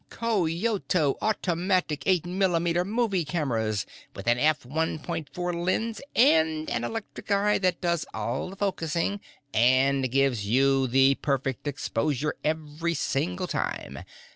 "Kyoto Automatic Eight Millimeter Movie Cameras with an f 1.4 lens and an electric eye that does all the focusing and gives you a perfect exposure every single time.